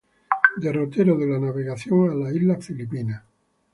Derrotero de la navegación a las islas Filipinas.